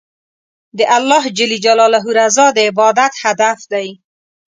د الله رضا د عبادت هدف دی.